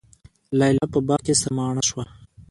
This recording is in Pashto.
لیلی په باغ کي سره مڼه شوه